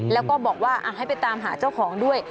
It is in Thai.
แล้วก็บอกว่าให้ไปตามหาเจ้าของด้วย